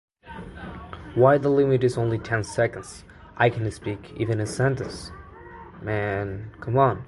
A pilot inexperienced with microbursts would try to decrease the speed.